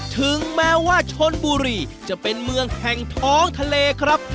ถึงแม้ว่าชนบุรีจะเป็นเมืองแห่งท้องทะเลครับ